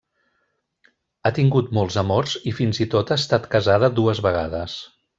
Ha tingut molts amors i fins i tot ha estat casada dues vegades.